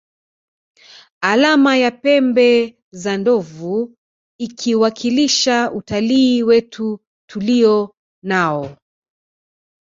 Alama ya pembe za ndovu ikiwakilisha utalii wetu tulio nao